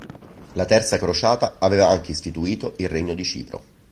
La terza crociata aveva anche istituito il Regno di Cipro.